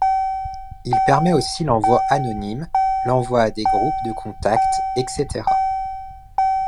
Il permet aussi l'envoi anonyme, l'envoi à des groupes de contacts etc.